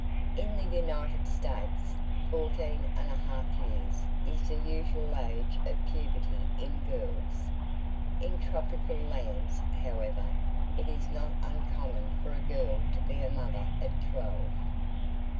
In the United States fourteen and a half years is the usual age of puberty in girls. In tropical lands, however, it is not uncommon for a girl to be a mother at twelve.